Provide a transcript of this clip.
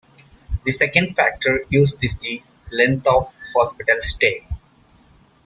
The second factor used is the length of hospital stay.